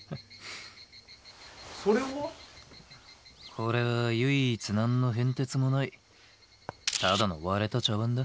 これは唯一何の変哲もないただの割れた茶わんだ。